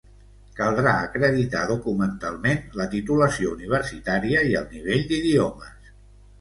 Caldrà acreditar documentalment la titulació universitària i el nivell d'idiomes.